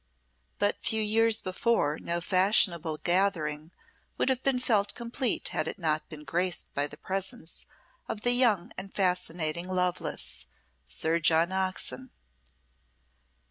But few years before no fashionable gathering would have been felt complete had it not been graced by the presence of the young and fascinating Lovelace, Sir John Oxon.